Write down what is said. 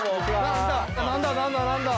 何だ何だ何だ。